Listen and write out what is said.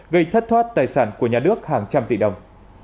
gây thất thoát tài sản của nhà nước hàng trăm tỷ đồng